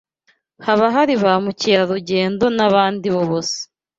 Haba hari ba mukerarugendo n’abandi b’ubusa